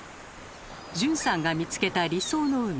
順さんが見つけた理想の海